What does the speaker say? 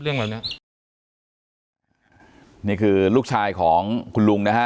เรื่องแบบเนี้ยนี่คือลูกชายของคุณลุงนะฮะ